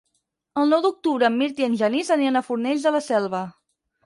El nou d'octubre en Mirt i en Genís aniran a Fornells de la Selva.